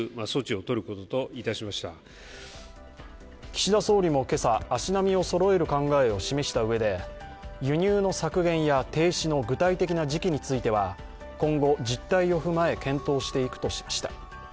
岸田総理も今朝、足並みをそろえる考えを示したうえで、輸入の削減や停止の具体的な時期については今後、実態を踏まえ検討していくとしました。